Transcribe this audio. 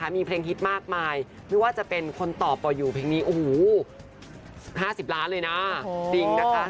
มีเพลงฮิตมากมายไม่ว่าจะเป็นคนตอบอ่อยอยู่เพลงนี้๕๐ล้านเลยนะ